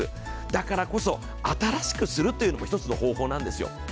だからこそ、新しくするというのも一つの方法なんですよ。